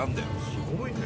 すごいね。